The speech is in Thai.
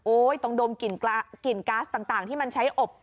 ต้องดมกลิ่นก๊าซต่างที่มันใช้อบ